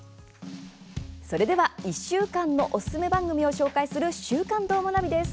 それでは１週間のおすすめ番組を紹介する「週刊どーもナビ」です。